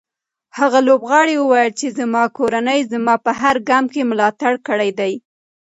هغه لوبغاړی وویل چې زما کورنۍ زما په هر ګام کې ملاتړ کړی دی.